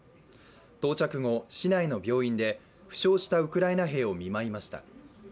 到着後、市内の病院で負傷したウクライナ兵を見舞いました。